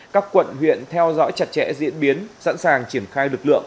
các quận huyện theo dõi chặt chẽ diễn biến sẵn sàng triển khai lực lượng